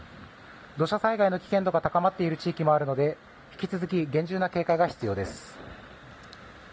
土砂災害の危険度も高まっている地域もあるので引き続き厳重な警戒が必要です。